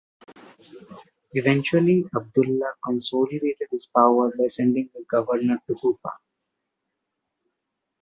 Eventually Abdullah consolidated his power by sending a governor to Kufa.